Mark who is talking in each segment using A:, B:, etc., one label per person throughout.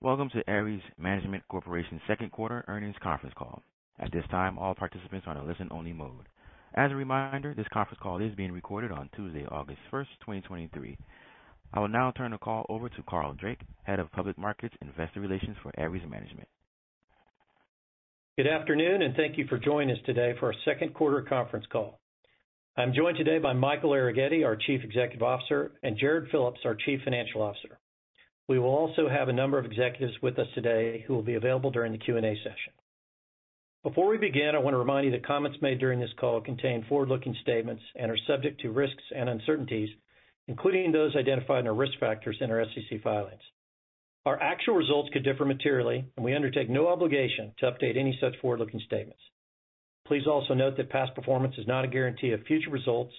A: Welcome to Ares Management Corporation's second quarter earnings conference call. At this time, all participants are on a listen-only mode. As a reminder, this conference call is being recorded on Tuesday, August 1st, 2023. I will now turn the call over to Carl Drake, Head of Public Markets and Investor Relations for Ares Management.
B: Good afternoon. Thank you for joining us today for our second quarter conference call. I'm joined today by Michael Arougheti, our Chief Executive Officer, and Jarrod Phillips, our Chief Financial Officer. We will also have a number of executives with us today who will be available during the Q&A session. Before we begin, I want to remind you that comments made during this call contain forward-looking statements and are subject to risks and uncertainties, including those identified in our risk factors in our SEC filings. Our actual results could differ materially, and we undertake no obligation to update any such forward-looking statements. Please also note that past performance is not a guarantee of future results,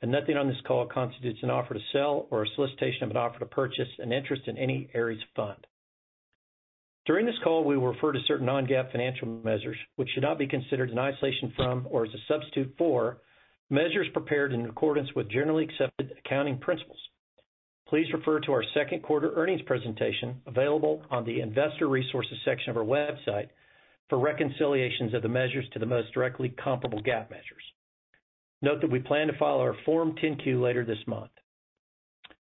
B: and nothing on this call constitutes an offer to sell or a solicitation of an offer to purchase an interest in any Ares fund. During this call, we will refer to certain non-GAAP financial measures, which should not be considered in isolation from or as a substitute for measures prepared in accordance with generally accepted accounting principles. Please refer to our second quarter earnings presentation, available on the Investor Resources section of our website, for reconciliations of the measures to the most directly comparable GAAP measures. Note that we plan to file our Form 10-Q later this month.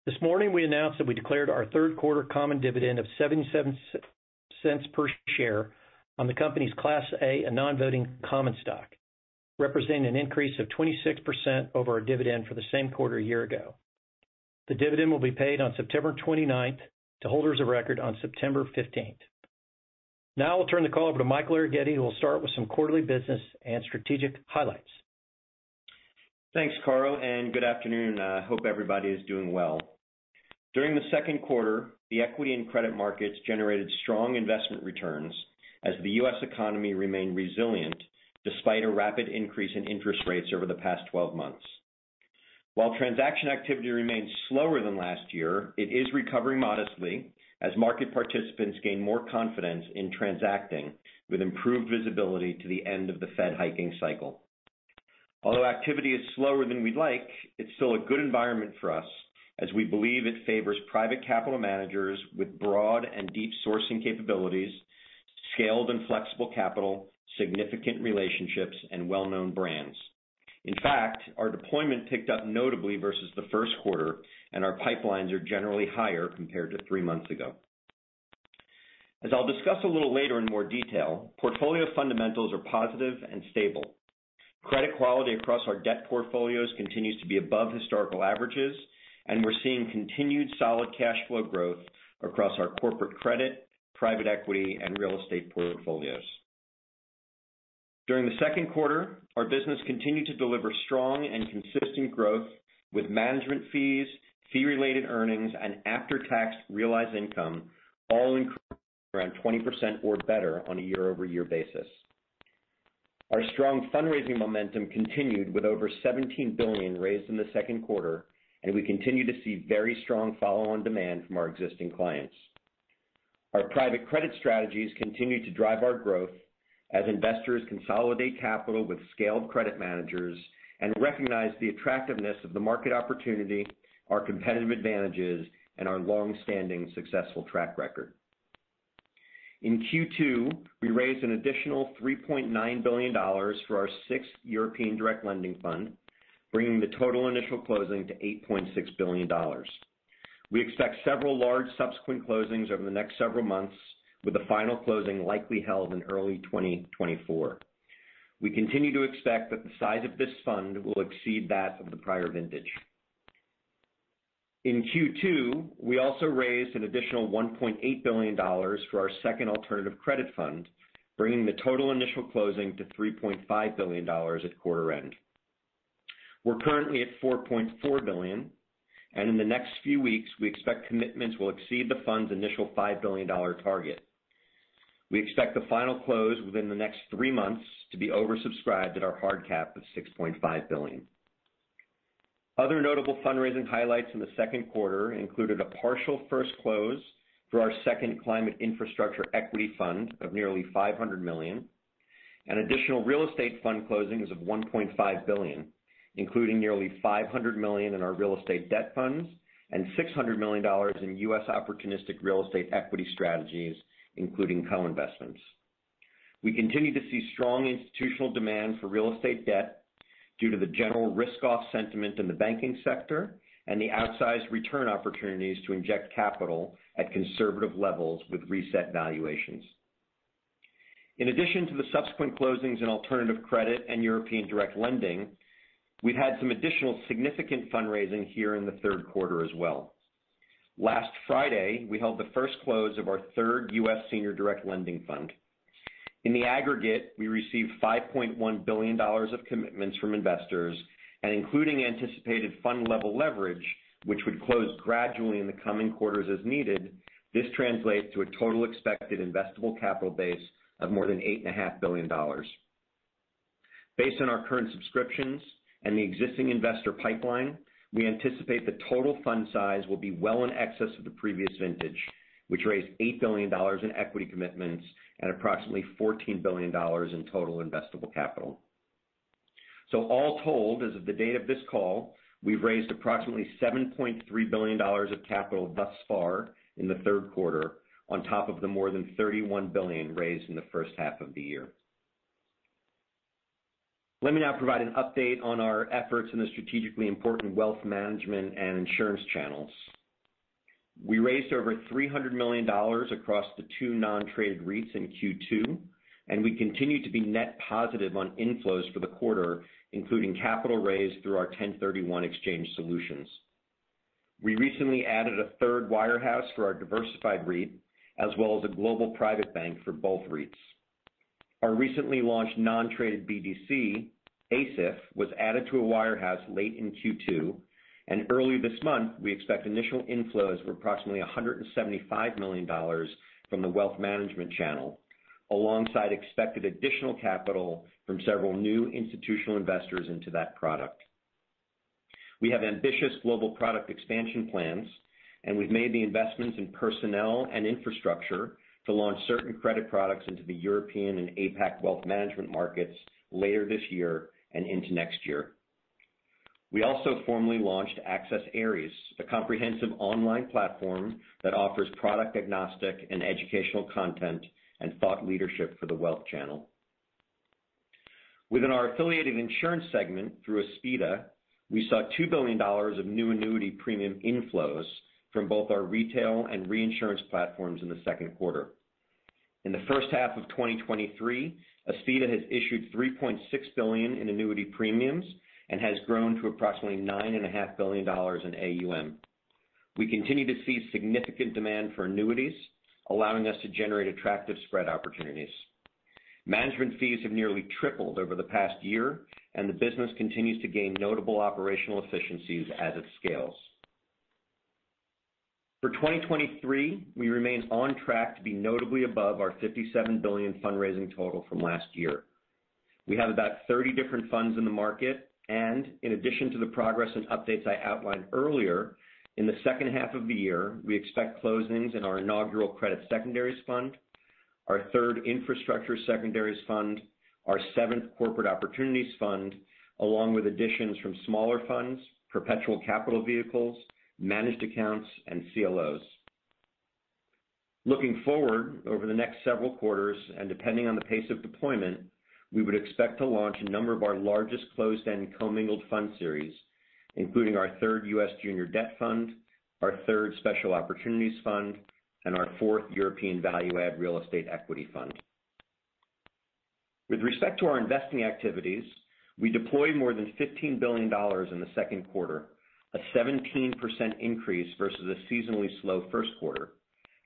B: This morning, we announced that we declared our third quarter common dividend of $0.77 per share on the company's Class A and non-voting common stock, representing an increase of 26% over our dividend for the same quarter a year ago. The dividend will be paid on 09/29/2023 to holders of record on 09/15/2023. Now I'll turn the call over to Michael Arougheti, who will start with some quarterly business and strategic highlights.
C: Thanks, Carl and good afternoon. I hope everybody is doing well. During the second quarter, the equity and credit markets generated strong investment returns as the U.S. economy remained resilient despite a rapid increase in interest rates over the past 12 months. While transaction activity remains slower than last year, it is recovering modestly as market participants gain more confidence in transacting with improved visibility to the end of the Fed hiking cycle. Although activity is slower than we'd like, it's still a good environment for us as we believe it favors private capital managers with broad and deep sourcing capabilities, scaled and flexible capital, significant relationships, and well-known brands. In fact, our deployment picked up notably versus the first quarter, and our pipelines are generally higher compared to 3 months ago. As I'll discuss a little later in more detail, portfolio fundamentals are positive and stable. Credit quality across our debt portfolios continues to be above historical averages, and we're seeing continued solid cash flow growth across our corporate credit, private equity, and real estate portfolios. During the second quarter, our business continued to deliver strong and consistent growth with management fees, fee-related earnings, and after-tax realized income, all increased around 20% or better on a year-over-year basis. Our strong fundraising momentum continued with over $17 billion raised in the second quarter, and we continue to see very strong follow-on demand from our existing clients. Our private credit strategies continue to drive our growth as investors consolidate capital with scaled credit managers and recognize the attractiveness of the market opportunity, our competitive advantages, and our long-standing, successful track record. In Q2, we raised an additional $3.9 billion for our sixth European Direct Lending Fund, bringing the total initial closing to $8.6 billion. We expect several large subsequent closings over the next several months, with the final closing likely held in early 2024. We continue to expect that the size of this fund will exceed that of the prior vintage. In Q2, we also raised an additional $1.8 billion for our second Alternative Credit Fund, bringing the total initial closing to $3.5 billion at quarter end. We're currently at $4.4 billion, and in the next few weeks, we expect commitments will exceed the fund's initial $5 billion target. We expect the final close within the next three months to be oversubscribed at our hard cap of $6.5 billion. Other notable fundraising highlights in the second quarter included a partial first close for our second Climate Infrastructure equity fund of nearly $500 million, and additional real estate fund closings of $1.5 billion, including nearly $500 million in our real estate debt funds and $600 million in U.S. opportunistic real estate equity strategies, including co-investments. We continue to see strong institutional demand for real estate debt due to the general risk-off sentiment in the banking sector and the outsized return opportunities to inject capital at conservative levels with reset valuations. In addition to the subsequent closings in Alternative Credit and European direct lending, we've had some additional significant fundraising here in the third quarter as well. Last Friday, we held the first close of our third U.S. Senior Direct Lending Fund. In the aggregate, we received $5.1 billion of commitments from investors and including anticipated fund-level leverage, which would close gradually in the coming quarters as needed, this translates to a total expected investable capital base of more than $8.5 billion. Based on our current subscriptions and the existing investor pipeline, we anticipate the total fund size will be well in excess of the previous vintage, which raised $8 billion in equity commitments and approximately $14 billion in total investable capital. So, all told, as of the date of this call, we've raised approximately $7.3 billion of capital thus far in the third quarter, on top of the more than $31 billion raised in the first half of the year. Let me now provide an update on our efforts in the strategically important wealth management and insurance channels. We raised over $300 million across the two non-traded REITs in Q2, we continue to be net positive on inflows for the quarter, including capital raised through our 1031 exchange solutions. We recently added a third wirehouse for our diversified REIT, as well as a global private bank for both REITs. Our recently launched non-traded BDC, ACIF, was added to a wirehouse late in Q2, and, early this month, we expect initial inflows of approximately $175 million from the wealth management channel, alongside expected additional capital from several new institutional investors into that product. We have ambitious global product expansion plans and we've made the investments in personnel and infrastructure to launch certain credit products into the European and APAC wealth management markets later this year and into next year. We also formally launched AccessAres, a comprehensive online platform that offers product agnostic and educational content and thought leadership for the wealth channel. Within our affiliated insurance segment, through Aspida, we saw $2 billion of new annuity premium inflows from both our retail and reinsurance platforms in the second quarter. In the first half of 2023, Aspida has issued $3.6 billion in annuity premiums and has grown to approximately $9.5 billion in AUM. We continue to see significant demand for annuities, allowing us to generate attractive spread opportunities. Management fees have nearly tripled over the past year, and the business continues to gain notable operational efficiencies as it scales. For 2023, we remain on track to be notably above our $57 billion fundraising total from last year. We have about 30 different funds in the market, and in addition to the progress and updates I outlined earlier, in the second half of the year, we expect closings in our inaugural Ares Credit Secondaries Fund, our third Infrastructure Secondaries Fund, our seventh Corporate Opportunities Fund, along with additions from smaller funds, perpetual capital vehicles, managed accounts, and CLOs. Looking forward, over the next several quarters, and depending on the pace of deployment, we would expect to launch a number of our largest closed-end commingled fund series, including our third U.S. Debt Fund, our third Special Opportunities Fund, and our fourth European Value Add Real Estate Equity Fund. With respect to our investing activities, we deployed more than $15 billion in the second quarter, a 17% increase versus a seasonally slow first quarter,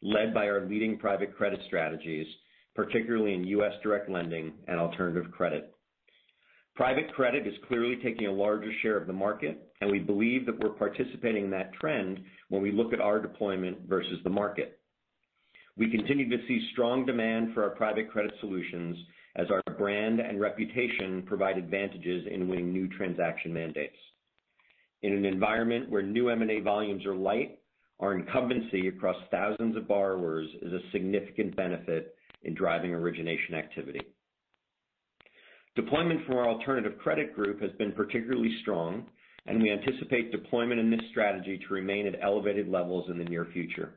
C: led by our leading private credit strategies, particularly in U.S. direct lending and Alternative Credit. Private credit is clearly taking a larger share of the market, and we believe that we're participating in that trend when we look at our deployment versus the market. We continue to see strong demand for our private credit solutions as our brand and reputation provide advantages in winning new transaction mandates. In an environment where new M&A volumes are light, our incumbency across thousands of borrowers is a significant benefit in driving origination activity. Deployment from our Alternative Credit Group has been particularly strong, and we anticipate deployment in this strategy to remain at elevated levels in the near future.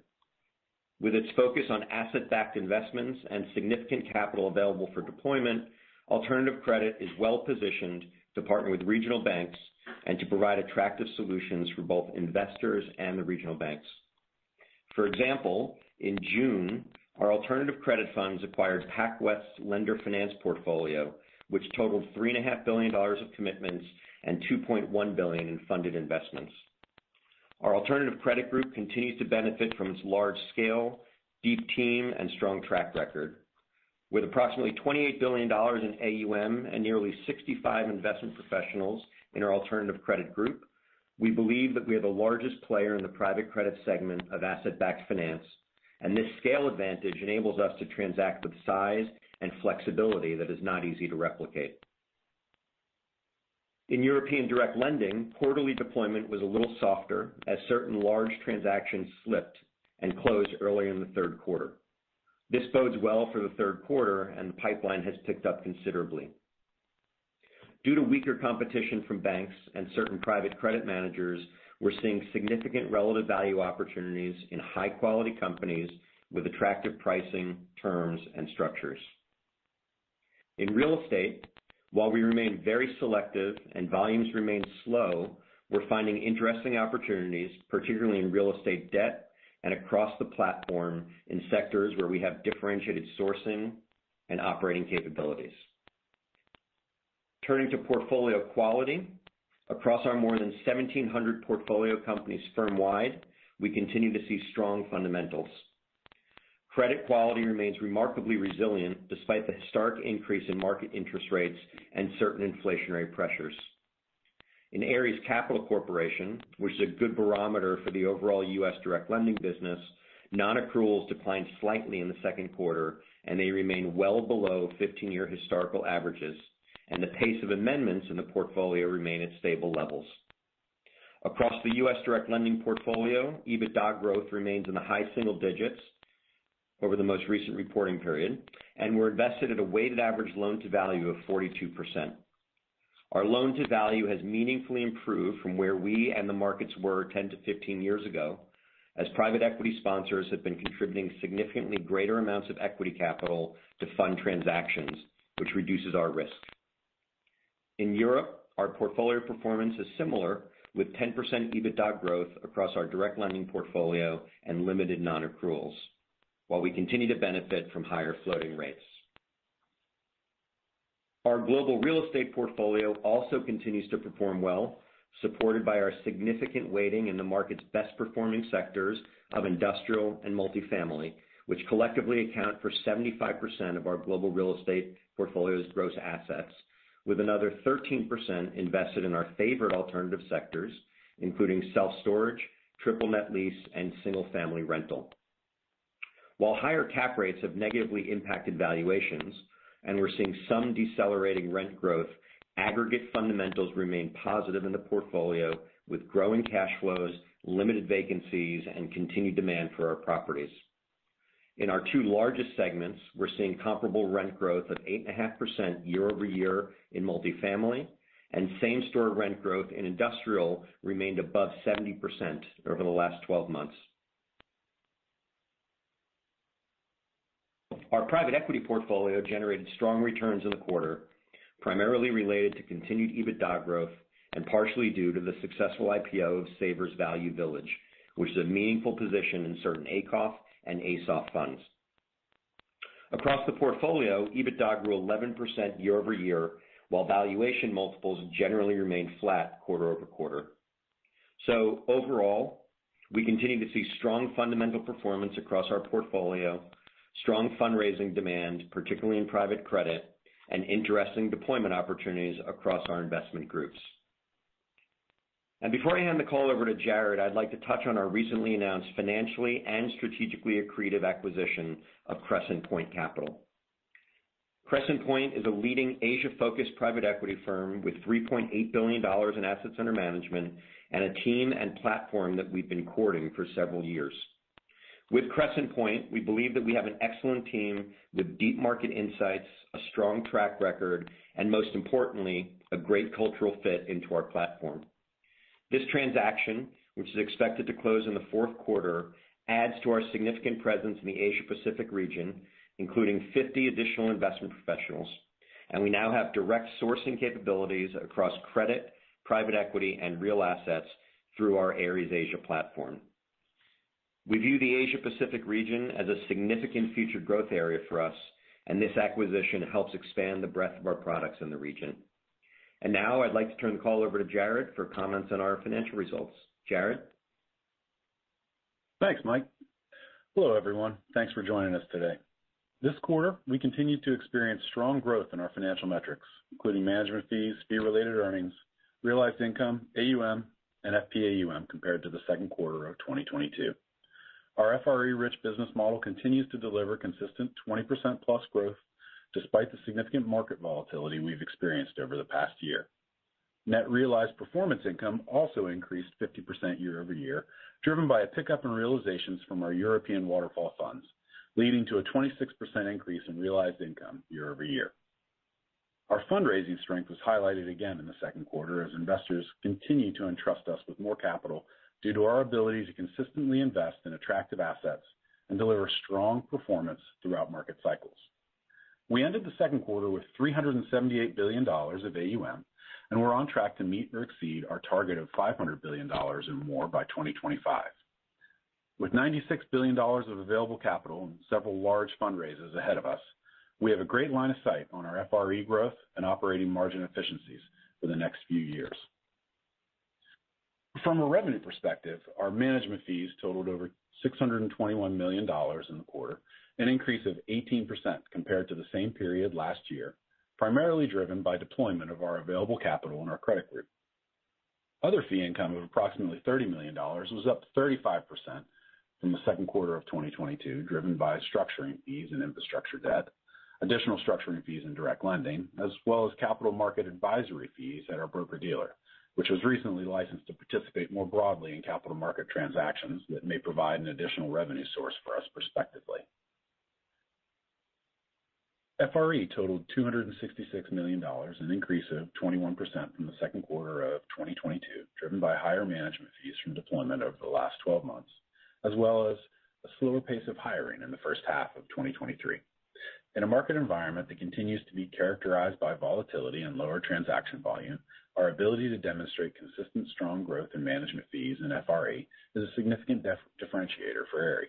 C: With its focus on asset-backed investments and significant capital available for deployment, alternative credit is well positioned to partner with regional banks and to provide attractive solutions for both investors and the regional banks. For example, in June, our alternative credit funds acquired PacWest's lender finance portfolio, which totaled $3.5 billion of commitments and $2.1 billion in funded investments. Our alternative credit group continues to benefit from its large scale, deep team, and strong track record. With approximately $28 billion in AUM and nearly 65 investment professionals in our alternative credit group, we believe that we are the largest player in the private credit segment of asset-backed finance, and this scale advantage enables us to transact with size and flexibility that is not easy to replicate. In European direct lending, quarterly deployment was a little softer as certain large transactions slipped and closed early in the third quarter. This bodes well for the third quarter and pipeline has picked up considerably. Due to weaker competition from banks and certain private credit managers, we're seeing significant relative value opportunities in high-quality companies with attractive pricing, terms, and structures. In real estate, while we remain very selective and volumes remain slow, we're finding interesting opportunities, particularly in real estate debt and across the platform in sectors where we have differentiated sourcing and operating capabilities. Turning to portfolio quality, across our more than 1,700 portfolio companies firm-wide, we continue to see strong fundamentals. Credit quality remains remarkably resilient despite the historic increase in market interest rates and certain inflationary pressures. In Ares Capital Corporation, which is a good barometer for the overall U.S. direct lending business, non-accruals declined slightly in the second quarter, they remain well below 15-year historical averages and the pace of amendments in the portfolio remain at stable levels. Across the U.S. direct lending portfolio, EBITDA growth remains in the high single digits over the most recent reporting period, we're invested at a weighted average loan-to-value of 42%. Our loan-to-value has meaningfully improved from where we and the markets were 10-15 years ago, as private equity sponsors have been contributing significantly greater amounts of equity capital to fund transactions, which reduces our risk. In Europe, our portfolio performance is similar, with 10% EBITDA growth across our direct lending portfolio and limited non-accruals, while we continue to benefit from higher floating rates. Our global real estate portfolio also continues to perform well, supported by our significant weighting in the market's best-performing sectors of industrial and multifamily, which collectively account for 75% of our global real estate portfolio's gross assets, with another 13% invested in our favorite alternative sectors, including self-storage, triple net lease, and single-family rental. While higher cap rates have negatively impacted valuations, and we're seeing some decelerating rent growth, aggregate fundamentals remain positive in the portfolio, with growing cash flows, limited vacancies, and continued demand for our properties. In our two largest segments, we're seeing comparable rent growth of 8.5% year-over-year in multifamily, and same-store rent growth in industrial remained above 70% over the last 12 months. Our private equity portfolio generated strong returns in the quarter, primarily related to continued EBITDA growth and partially due to the successful IPO of Savers Value Village, which is a meaningful position in certain ACOF and ASOF funds. Across the portfolio, EBITDA grew 11% year-over-year, while valuation multiples generally remained flat quarter-over-quarter. So, overall, we continue to see strong fundamental performance across our portfolio, strong fundraising demand, particularly in private credit, and interesting deployment opportunities across our investment groups. Before I hand the call over to Jarrod, I'd like to touch on our recently announced financially and strategically accretive acquisition of Crescent Point Capital. Crescent Point is a leading Asia-focused private equity firm with $3.8 billion in assets under management and a team and platform that we've been courting for several years. With Crescent Point, we believe that we have an excellent team with deep market insights, a strong track record, and most importantly, a great cultural fit into our platform. This transaction, which is expected to close in the fourth quarter, adds to our significant presence in the Asia Pacific region, including 50 additional investment professionals, and we now have direct sourcing capabilities across credit, private equity, and real assets through our Ares Asia platform. We view the Asia Pacific region as a significant future growth area for us, this acquisition helps expand the breadth of our products in the region. Now I'd like to turn the call over to Jarrod for comments on our financial results. Jarrod?
D: Thanks, Mike. Hello, everyone. Thanks for joining us today. This quarter, we continued to experience strong growth in our financial metrics, including management fees, fee-related earnings, realized income, AUM, and FPAUM, compared to the second quarter of 2022. Our FRE-rich business model continues to deliver consistent 20%+ growth despite the significant market volatility we've experienced over the past year. Net realized performance income also increased 50% year-over-year, driven by a pickup in realizations from our European waterfall funds, leading to a 26% increase in realized income year-over-year. Our fundraising strength was highlighted again in the second quarter as investors continued to entrust us with more capital due to our ability to consistently invest in attractive assets and deliver strong performance throughout market cycles. We ended the second quarter with $378 billion of AUM, and we're on track to meet or exceed our target of $500 billion or more by 2025. With $96 billion of available capital and several large fundraisers ahead of us, we have a great line of sight on our FRE growth and operating margin efficiencies for the next few years. From a revenue perspective, our management fees totaled over $621 million in the quarter, an increase of 18% compared to the same period last year, primarily driven by deployment of our available capital in our credit group. Other fee income of approximately $30 million was up 35% from the second quarter of 2022, driven by structuring fees and infrastructure debt, additional structuring fees in direct lending, as well as capital market advisory fees at our broker-dealer, which was recently licensed to participate more broadly in capital market transactions that may provide an additional revenue source for us prospectively. FRE totaled $266 million, an increase of 21% from the second quarter of 2022, driven by higher management fees from deployment over the last 12 months, as well as a slower pace of hiring in the first half of 2023. In a market environment that continues to be characterized by volatility and lower transaction volume, our ability to demonstrate consistent strong growth in management fees and FRE is a significant differentiator for Ares.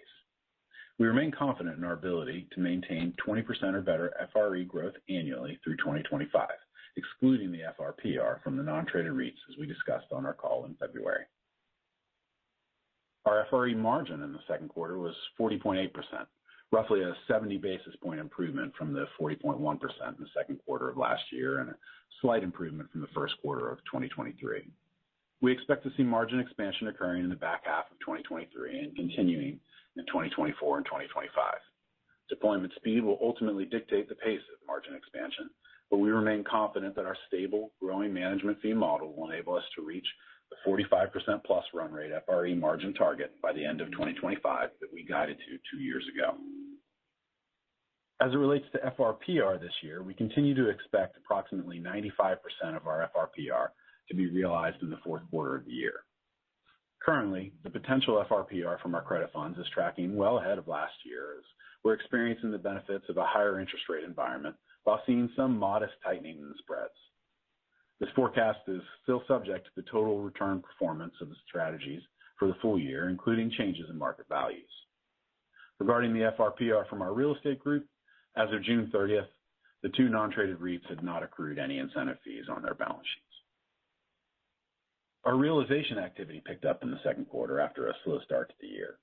D: We remain confident in our ability to maintain 20% or better FRE growth annually through 2025, excluding the FRPR from the non-traded REITs, as we discussed on our call in February. Our FRE margin in the second quarter was 40.8%, roughly a 70 basis point improvement from the 40.1% in the second quarter of last year, and a slight improvement from the first quarter of 2023. We expect to see margin expansion occurring in the back half of 2023 and continuing in 2024 and 2025. Deployment speed will ultimately dictate the pace of margin expansion, we remain confident that our stable, growing management fee model will enable us to reach the 45%+ run rate FRE margin target by the end of 2025 that we guided to two years ago. As it relates to FRPR this year, we continue to expect approximately 95% of our FRPR to be realized in the fourth quarter of the year. Currently, the potential FRPR from our credit funds is tracking well ahead of last year's. We're experiencing the benefits of a higher interest rate environment, while seeing some modest tightening in the spreads. This forecast is still subject to the total return performance of the strategies for the full year, including changes in market values. Regarding the FRPR from our real estate group, as of June 30th, the non-traded REITs had not accrued any incentive fees on their balance sheets. Our realization activity picked up in the second quarter after a slow start to the year.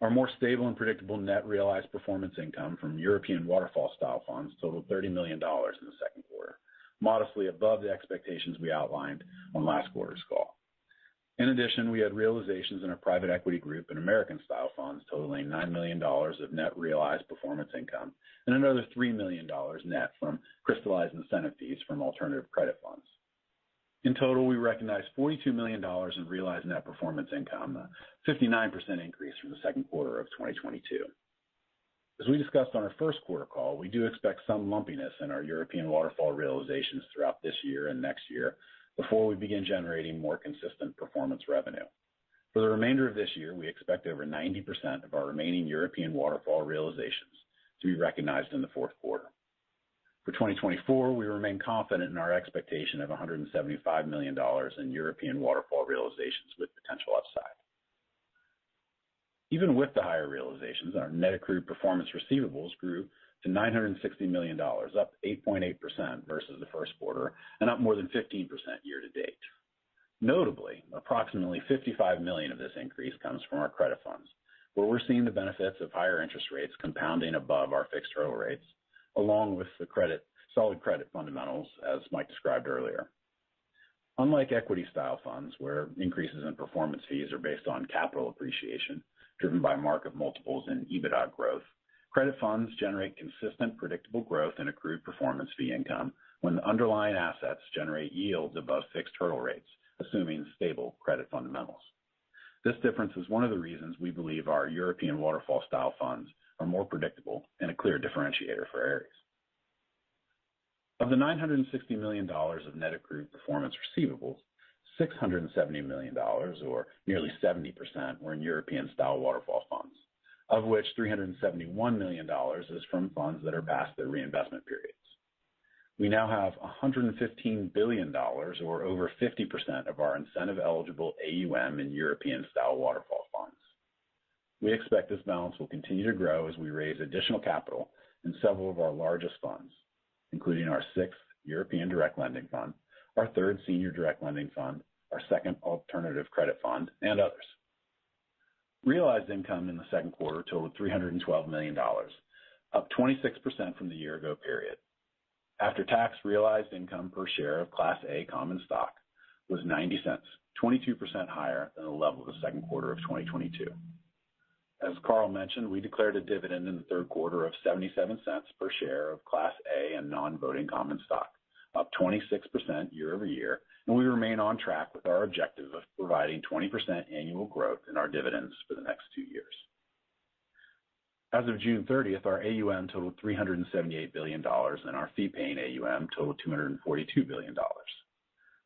D: Our more stable and predictable net realized performance income from European waterfall style funds totaled $30 million in the second quarter, modestly above the expectations we outlined on last quarter's call. In addition, we had realizations in our private equity group and American-style funds totaling $9 million of net realized performance income, and another $3 million net from crystallized incentive fees from alternative credit funds. In total, we recognized $42 million in realized net performance income, a 59% increase from the second quarter of 2022. As we discussed on our first quarter call, we do expect some lumpiness in our European waterfall realizations throughout this year and next year, before we begin generating more consistent performance revenue. For the remainder of this year, we expect over 90% of our remaining European waterfall realizations to be recognized in the fourth quarter. For 2024, we remain confident in our expectation of $175 million in European waterfall realizations with potential upside. Even with the higher realizations, our net accrued performance receivables grew to $960 million, up 8.8% versus the first quarter, and up more than 15% year to date. Notably, approximately $55 million of this increase comes from our credit funds, where we're seeing the benefits of higher interest rates compounding above our fixed hurdle rates, along with solid credit fundamentals, as Mike described earlier. Unlike equity style funds, where increases in performance fees are based on capital appreciation, driven by mark of multiples and EBITDA growth, credit funds generate consistent, predictable growth in accrued performance fee income when the underlying assets generate yields above fixed hurdle rates, assuming stable credit fundamentals. This difference is one of the reasons we believe our European waterfall style funds are more predictable and a clear differentiator for Ares. Of the $960 million of net accrued performance receivables, $670 million, or nearly 70%, were in European-style waterfall funds, of which $371 million is from funds that are past their reinvestment periods. We now have $115 billion, or over 50% of our incentive-eligible AUM in European-style waterfall funds. We expect this balance will continue to grow as we raise additional capital in several of our largest funds, including our 6th European direct lending fund, our 3rd senior direct lending fund, our 2nd Alternative Credit Fund, and others. Realized income in the second quarter totaled $312 million, up 26% from the year-ago period. After-tax realized income per share of Class A common stock was $0.90, 22% higher than the level of the second quarter of 2022. As Carl mentioned, we declared a dividend in the third quarter of $0.77 per share of Class A and non-voting common stock, up 26% year-over-year, and we remain on track with our objective of providing 20% annual growth in our dividends for the next 2 years. As of June 30th, our AUM totaled $378 billion, and our fee-paying AUM totaled $242 billion.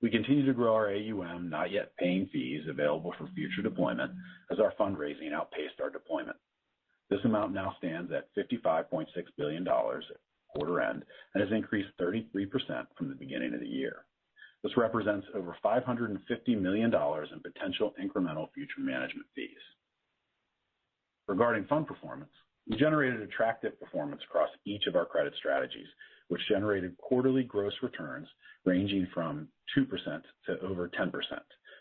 D: We continue to grow our AUM, not yet paying fees available for future deployment, as our fundraising outpaced our deployment. This amount now stands at $55.6 billion at quarter end and has increased 33% from the beginning of the year. This represents over $550 million in potential incremental future management fees. Regarding fund performance, we generated attractive performance across each of our credit strategies, which generated quarterly gross returns ranging from 2% to over 10%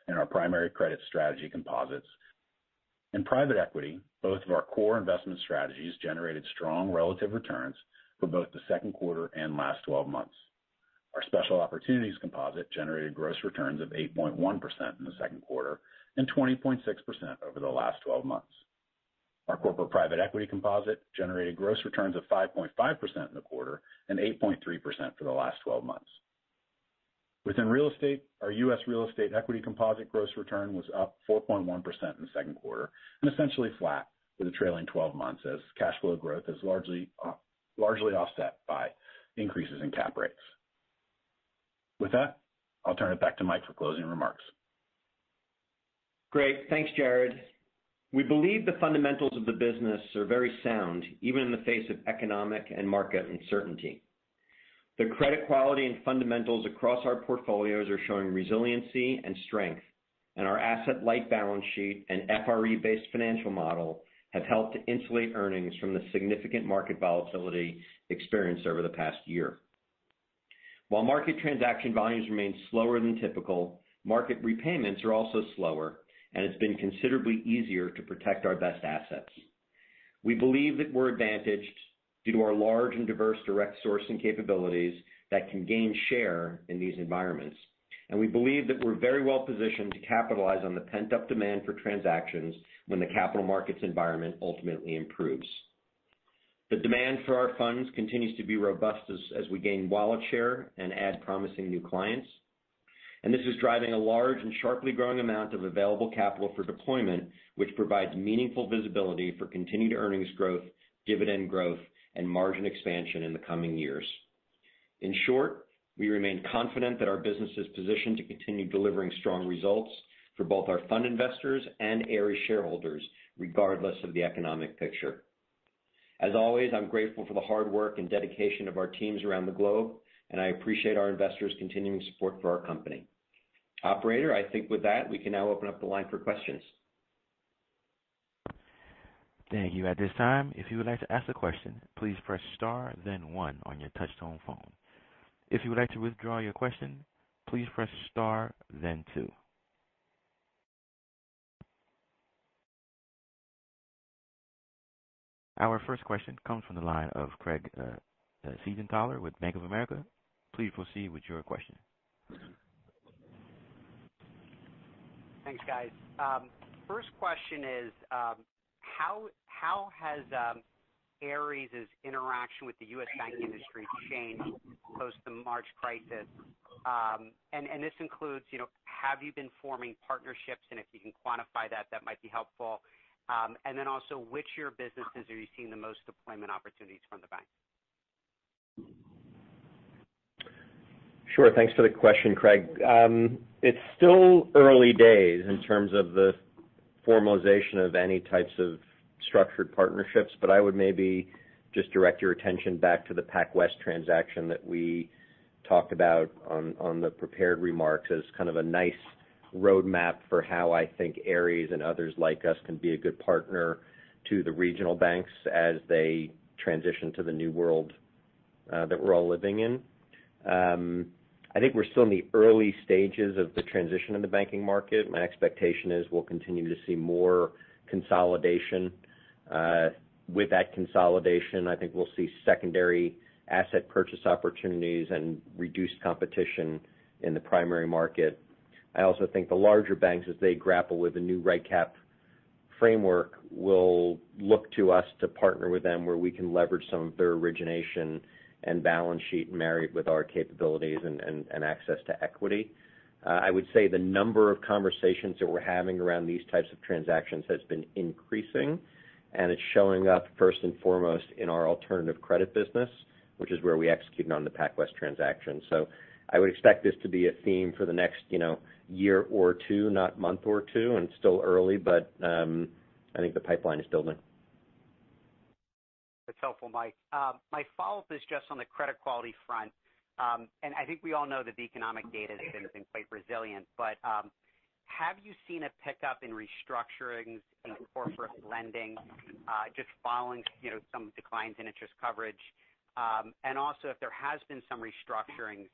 D: in our primary credit strategy composites. In private equity, both of our core investment strategies generated strong relative returns for both the second quarter and last 12 months. Our Special Opportunities composite generated gross returns of 8.1% in the second quarter and 20.6% over the last 12 months. Our Corporate Private Equity composite generated gross returns of 5.5% in the quarter and 8.3% for the last 12 months. Within real estate, our U.S. real estate equity composite gross return was up 4.1% in the second quarter and essentially flat for the trailing 12 months, as cash flow growth is largely, largely offset by increases in cap rates. With that, I'll turn it back to Mike for closing remarks.
C: Great. Thanks, Jarrod. We believe the fundamentals of the business are very sound, even in the face of economic and market uncertainty. The credit quality and fundamentals across our portfolios are showing resiliency and strength. Our asset-light balance sheet and FRE-based financial model have helped to insulate earnings from the significant market volatility experienced over the past year. While market transaction volumes remain slower than typical, market repayments are also slower, and it's been considerably easier to protect our best assets. We believe that we're advantaged due to our large and diverse direct sourcing capabilities that can gain share in these environments and we believe that we're very well positioned to capitalize on the pent-up demand for transactions when the capital markets environment ultimately improves. The demand for our funds continues to be robust as we gain wallet share and add promising new clients. This is driving a large and sharply growing amount of available capital for deployment, which provides meaningful visibility for continued earnings growth, dividend growth, and margin expansion in the coming years. In short, we remain confident that our business is positioned to continue delivering strong results for both our fund investors and Ares shareholders, regardless of the economic picture. As always, I'm grateful for the hard work and dedication of our teams around the globe, and I appreciate our investors' continuing support for our company. Operator, I think with that, we can now open up the line for questions.
A: Thank you. At this time, if you would like to ask a question, please press star then one on your touchtone phone. If you would like to withdraw your question, please press star then two. Our first question comes from the line of Craig Siegenthaler with Bank of America. Please proceed with your question.
E: Thanks, guys. First question is, how has Ares' interaction with the U.S. bank industry changed post the March crisis? This includes, you know, have you been forming partnerships? If you can quantify that, that might be helpful. Then also, which your businesses are you seeing the most deployment opportunities from the bank?
C: Sure. Thanks for the question, Craig. It's still early days in terms of the formalization of any types of structured partnerships, but I would maybe just direct your attention back to the PacWest transaction that we talked about on, on the prepared remarks as kind of a nice roadmap for how I think Ares and others like us can be a good partner to the regional banks as they transition to the new world that we're all living in. I think we're still in the early stages of the transition in the banking market. My expectation is we'll continue to see more consolidation. With that consolidation, I think we'll see secondary asset purchase opportunities and reduced competition in the primary market. I also think the larger banks, as they grapple with the new reg cap framework, will look to us to partner with them where we can leverage some of their origination and balance sheet married with our capabilities and, and, and access to equity. I would say the number of conversations that we're having around these types of transactions has been increasing, and it's showing up first and foremost in our Alternative Credit business, which is where we executed on the PacWest transaction. So, I would expect this to be a theme for the next, you know, year or two, not month or two, and it's still early, but I think the pipeline is building.
E: That's helpful, Mike. My follow-up is just on the credit quality front. I think we all know that the economic data has been quite resilient, but have you seen a pickup in restructurings in corporate lending, just following, you know, some declines in interest coverage? Also, if there has been some restructuring,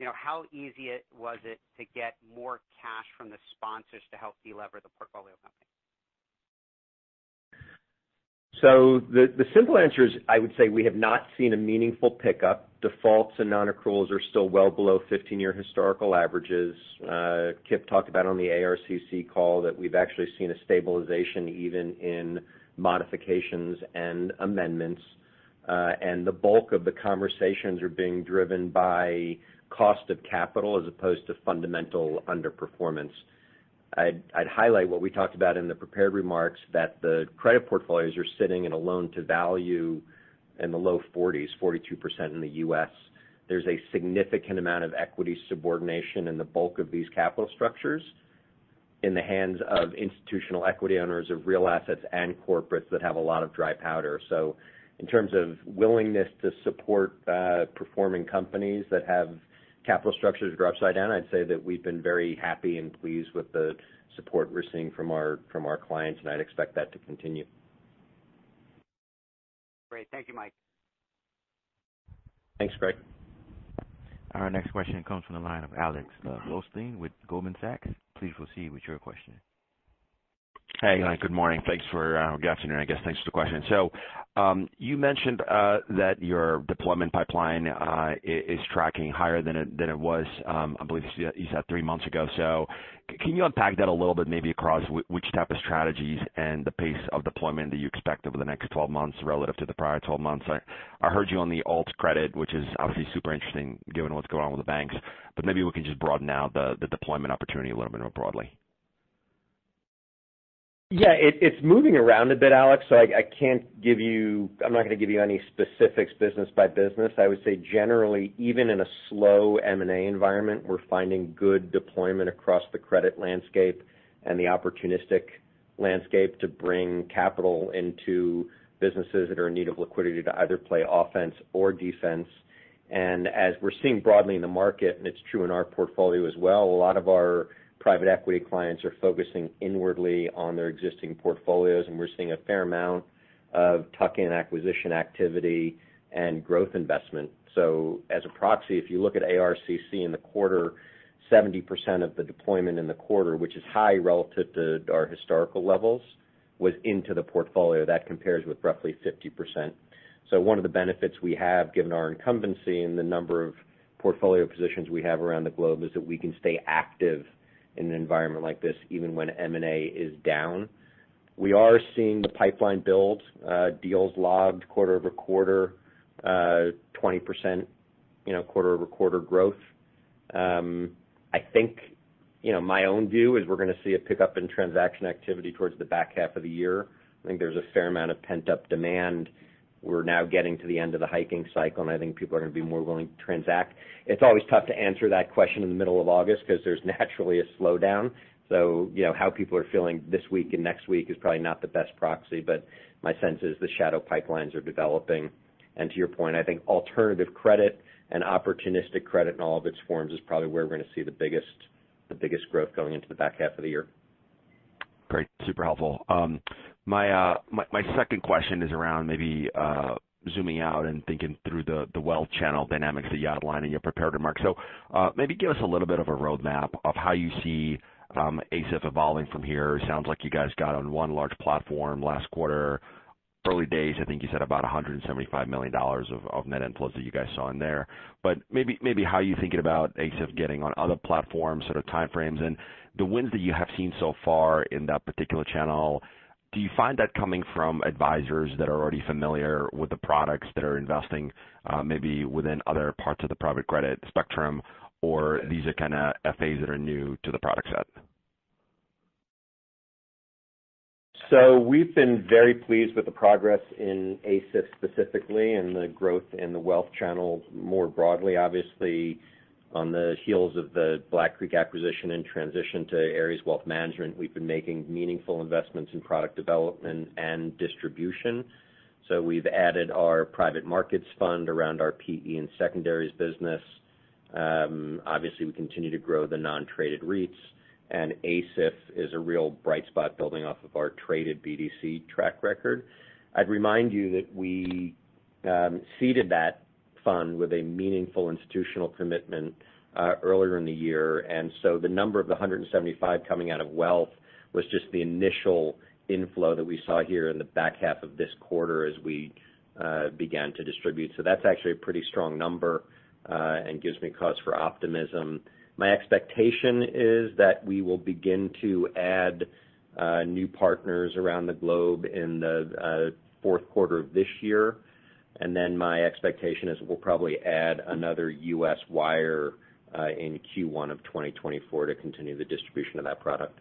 E: you know, how easy it was it to get more cash from the sponsors to help delever the portfolio companies?
C: The simple answer is, I would say we have not seen a meaningful pickup. Defaults and non-accruals are still well below 15-year historical averages. Kip talked about on the ARCC call that we've actually seen a stabilization, even in modifications and amendments and the bulk of the conversations are being driven by cost of capital as opposed to fundamental underperformance. I'd highlight what we talked about in the prepared remarks, that the credit portfolios are sitting in a loan-to-value in the low 40s, 42% in the US. There's a significant amount of equity subordination in the bulk of these capital structures in the hands of institutional equity owners of real assets and corporates that have a lot of dry powder. So, in terms of willingness to support performing companies that have capital structures that are upside down, I'd say that we've been very happy and pleased with the support we're seeing from our clients, and I'd expect that to continue.
E: Great. Thank you, Mike.
C: Thanks, Craig.
A: Our next question comes from the line of Alex Blostein with Goldman Sachs. Please proceed with your question.
F: Hey, good morning. Thanks for, good afternoon, I guess. Thanks for the question. So, you mentioned that your deployment pipeline is tracking higher than it, than it was, I believe you said three months ago. Can you unpack that a little bit, maybe across which type of strategies and the pace of deployment that you expect over the next 12 months relative to the prior 12 months? I heard you on the Alt Credit, which is obviously super interesting given what's going on with the banks, but maybe we can just broaden out the deployment opportunity a little bit more broadly.
C: Yeah, it's moving around a bit, Alex, so I, I can't give you. I'm not going to give you any specifics business by business. I would say generally, even in a slow M&A environment, we're finding good deployment across the credit landscape and the opportunistic landscape to bring capital into businesses that are in need of liquidity to either play offense or defense and as we're seeing broadly in the market, and it's true in our portfolio as well, a lot of our private equity clients are focusing inwardly on their existing portfolios, and we're seeing a fair amount of tuck-in acquisition activity and growth investment. As a proxy, if you look at ARCC in the quarter, 70% of the deployment in the quarter, which is high relative to our historical levels, with into the portfolio that compares with roughly 50%. So, one of the benefits we have, given our incumbency and the number of portfolio positions we have around the globe, is that we can stay active in an environment like this, even when M&A is down. We are seeing the pipeline build, deals logged quarter-over-quarter, 20%, you know, quarter-over-quarter growth. I think, you know, my own view is we're gonna see a pickup in transaction activity towards the back half of the year. I think there's a fair amount of pent-up demand. We're now getting to the end of the hiking cycle, and I think people are gonna be more willing to transact. It's always tough to answer that question in the middle of August, 'cause there's naturally a slowdown. You know, how people are feeling this week and next week is probably not the best proxy, but my sense is the shadow pipelines are developing and to your point, I think alternative credit and opportunistic credit in all of its forms is probably where we're going to see the biggest, the biggest growth going into the back half of the year.
F: Great. Super helpful. My, my second question is around maybe zooming out and thinking through the wealth channel dynamics that you outlined in your prepared remarks. Maybe give us a little bit of a roadmap of how you see ACIF evolving from here. Sounds like you guys got on one large platform last quarter. Early days, I think you said about $175 million of net inflows that you guys saw in there. Maybe, maybe how are you thinking about ACIF getting on other platforms, sort of time frames, and the wins that you have seen so far in that particular channel, do you find that coming from advisors that are already familiar with the products that are investing, maybe within other parts of the private credit spectrum, or these are kind of FAs that are new to the product set?
C: We've been very pleased with the progress in ACIF specifically, and the growth in the wealth channel more broadly. Obviously, on the heels of the BlackRock acquisition and transition to Ares Wealth Management, we've been making meaningful investments in product development and distribution. We've added our private markets fund around our PE and secondaries business. Obviously, we continue to grow the non-traded REITs, and ACIF is a real bright spot building off of our traded BDC track record. I'd remind you that we seeded that fund with a meaningful institutional commitment earlier in the year, and the number of the 175 coming out of wealth was just the initial inflow that we saw here in the back half of this quarter as we began to distribute. That's actually a pretty strong number, and gives me cause for optimism. My expectation is that we will begin to add new partners around the globe in the fourth quarter of this year, and then my expectation is we'll probably add another U.S. wire in Q1 of 2024 to continue the distribution of that product.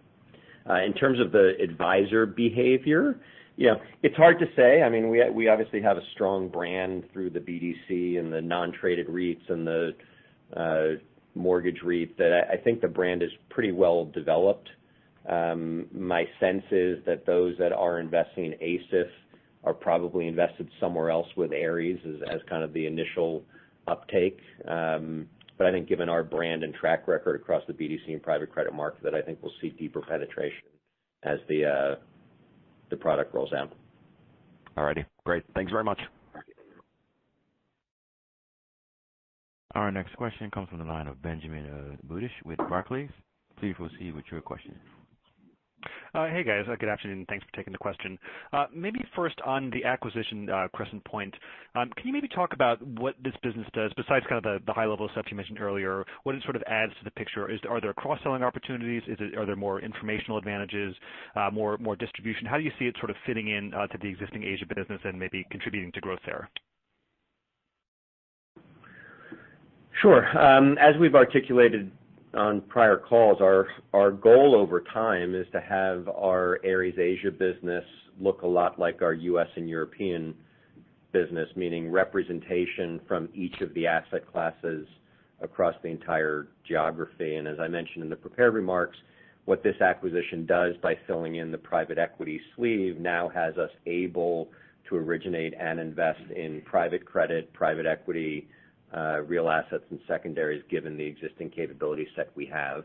C: In terms of the advisor behavior, you know, it's hard to say. I mean, we, we obviously have a strong brand through the BDC and the non-traded REITs and the Mortgage REIT, that I, I think the brand is pretty well developed. My sense is that those that are investing in ACIF are probably invested somewhere else with Ares as, as kind of the initial uptake but I think given our brand and track record across the BDC and private credit market, that I think we'll see deeper penetration as the product rolls out.
F: All righty. Great. Thanks very much.
A: Our next question comes from the line of Benjamin Budish with Barclays. Please proceed with your question.
G: Hey, guys. Good afternoon, thanks for taking the question. Maybe first on the acquisition, Crescent Point, can you maybe talk about what this business does, besides kind of the, the high-level stuff you mentioned earlier, what it sort of adds to the picture? Are there cross-selling opportunities? Are there more informational advantages, more, more distribution? How do you see it sort of fitting in to the existing Asia business and maybe contributing to growth there?
C: Sure. As we've articulated on prior calls, our, our goal over time is to have our Ares Asia business look a lot like our U.S. and European business, meaning representation from each of the asset classes across the entire geography. As I mentioned in the prepared remarks, what this acquisition does by filling in the private equity sleeve, now has us able to originate and invest in private credit, private equity, real assets, and secondaries, given the existing capability set we have.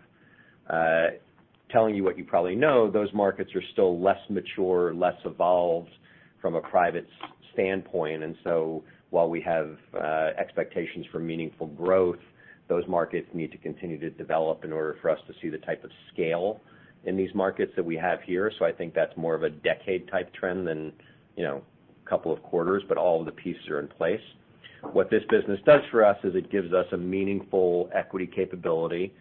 C: Telling you what you probably know, those markets are still less mature, less evolved from a private standpoint. While we have expectations for meaningful growth, those markets need to continue to develop in order for us to see the type of scale in these markets that we have here. I think that's more of a decade-type trend than, you know, a couple of quarters, but all of the pieces are in place. What this business does for us is it gives us a meaningful equity capability,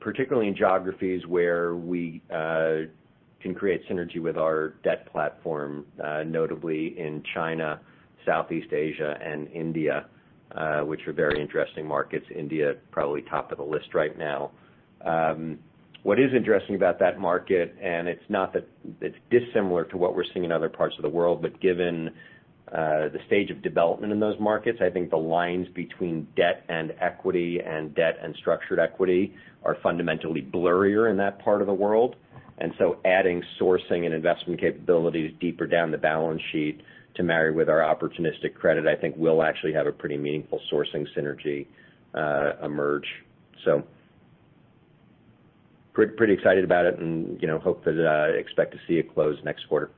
C: particularly in geographies where we can create synergy with our debt platform, notably in China, Southeast Asia, and India, which are very interesting markets. India, probably top of the list right now. What is interesting about that market, and it's not that it's dissimilar to what we're seeing in other parts of the world, but given the stage of development in those markets, I think the lines between debt and equity and debt and structured equity are fundamentally blurrier in that part of the world and, so, adding sourcing and investment capabilities deeper down the balance sheet to marry with our opportunistic credit, I think will actually have a pretty meaningful sourcing synergy emerge. So, pretty excited about it and, you know, hope that expect to see it close next quarter.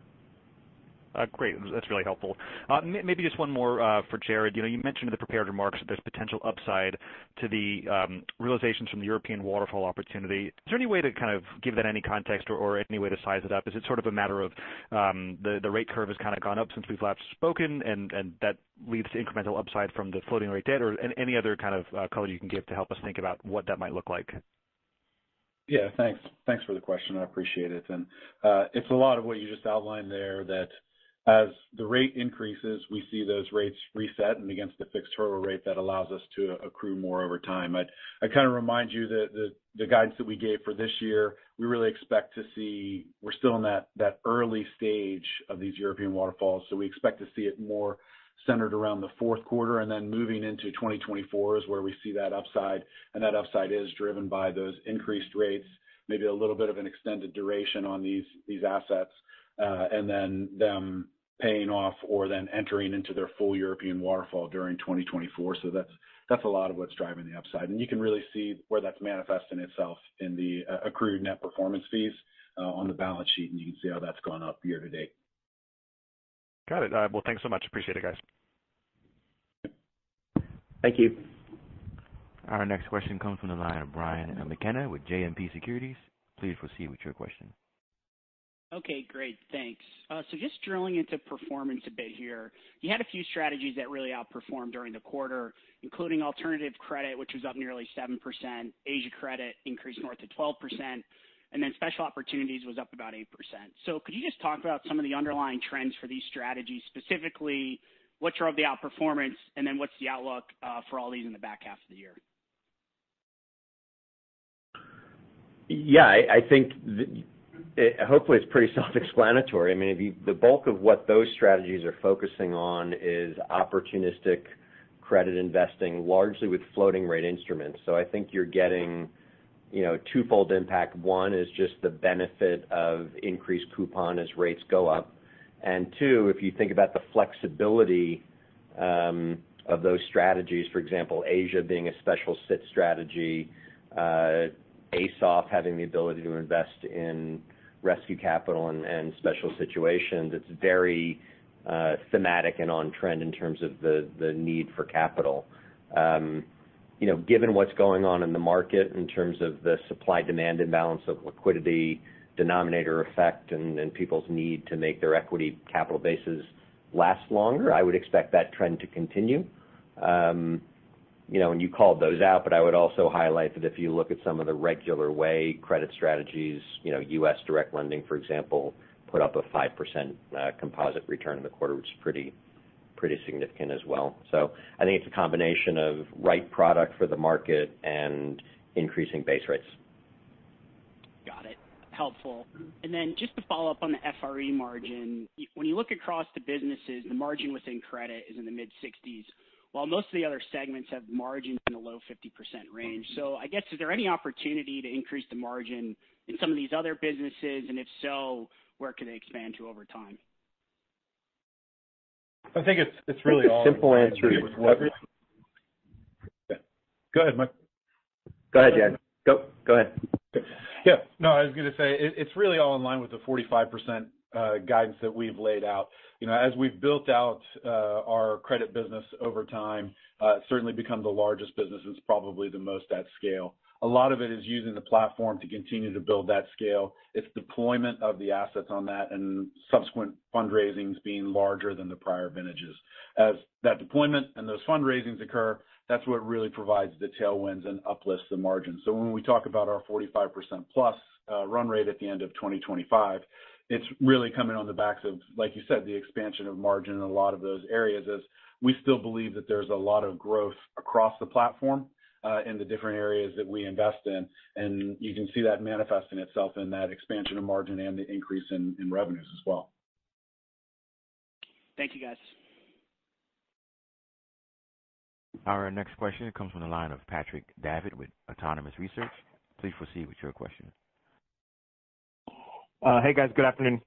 G: Great. That's really helpful. Maybe just one more for Jarrod. You know, you mentioned in the prepared remarks that there's potential upside to the realizations from the European waterfall opportunity. Is there any way to kind of give that any context or any way to size it up? Is it sort of a matter of the rate curve has kind of gone up since we've last spoken, and that leads to incremental upside from the floating rate debt? Any other kind of color you can give to help us think about what that might look like.
D: Yeah, thanks. Thanks for the question. I appreciate it. It's a lot of what you just outlined there, that as the rate increases, we see those rates reset, and against the fixed hurdle rate, that allows us to accrue more over time. I'd kind of remind you that the guidance that we gave for this year, we really expect to see. We're still in that, that early stage of these European waterfalls, so we expect to see it more centered around the fourth quarter, and then moving into 2024 is where we see that upside. That upside is driven by those increased rates, maybe a little bit of an extended duration on these, these assets, and then them paying off or then entering into their full European waterfall during 2024. That's, that's a lot of what's driving the upside. You can really see where that's manifesting itself in the accrued net performance fees on the balance sheet, and you can see how that's gone up year-to-date.
G: Got it. Well, thanks so much. Appreciate it, guys.
D: Thank you.
A: Our next question comes from the line of Brian McKenna with JMP Securities. Please proceed with your question.
H: Okay, great. Thanks. Just drilling into performance a bit here, you had a few strategies that really outperformed during the quarter, including alternative credit, which was up nearly 7%, Asia Credit increased north to 12%, and then special opportunities was up about 8%. So, please talk about some of the underlying trends for these strategies? Specifically, what drove the outperformance, and what's the outlook for all these in the back half of the year?
C: Yeah, I think, hopefully it's pretty self-explanatory. I mean, the, the bulk of what those strategies are focusing on is opportunistic credit investing, largely with floating rate instruments. I think you're getting, you know, twofold impact. One is just the benefit of increased coupon as rates go up. Two, if you think about the flexibility of those strategies, for example, Asia being a special sits strategy, as of having the ability to invest in rescue capital and, and special situations, it's very thematic and on trend in terms of the, the need for capital. You know, given what's going on in the market in terms of the supply-demand imbalance of liquidity, denominator effect, and then people's need to make their equity capital bases last longer, I would expect that trend to continue. You know, you called those out, but I would also highlight that if you look at some of the regular way credit strategies, you know, U.S. direct lending, for example, put up a 5% composite return in the quarter, which is pretty, pretty significant as well. So, I think it's a combination of right product for the market and increasing base rates.
H: Got it. Helpful. Then just to follow up on the FRE margin, when you look across the businesses, the margin within credit is in the mid-sixties, while most of the other segments have margins in the low 50% range. I guess, is there any opportunity to increase the margin in some of these other businesses? If so, where could they expand to over time?
D: I think it's, it's really all- The simple answer is. Go ahead, Mike.
C: Go ahead, Jarrod. Go, go ahead.
D: Yeah. No, I was going to say, it, it's really all in line with the 45% guidance that we've laid out. You know, as we've built out our credit business over time, it's certainly become the largest business. It's probably the most at scale. A lot of it is using the platform to continue to build that scale. It's deployment of the assets on that and subsequent fundraisings being larger than the prior vintages. As that deployment and those fundraisings occur, that's what really provides the tailwinds and uplifts the margin. When we talk about our 45%+ run rate at the end of 2025, it's really coming on the backs of, like you said, the expansion of margin in a lot of those areas, as we still believe that there's a lot of growth across the platform in the different areas that we invest in and you can see that manifesting itself in that expansion of margin and the increase in, in revenues as well.
H: Thank you, guys.
A: Our next question comes from the line of Patrick Davitt with Autonomous Research. Please proceed with your question.
I: Hey, guys. Good afternoon.